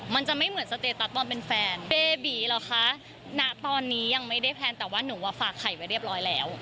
มันจะไม่เหมือนสเตตัสตอนเป็นแฟนเบบีเหรอคะณตอนนี้ยังไม่ได้แพลนแต่ว่าหนูว่าฝากไข่ไว้เรียบร้อยแล้ว